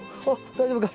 大丈夫か？